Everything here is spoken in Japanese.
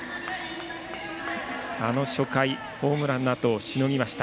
あの初回、ホームランのあとをしのぎました。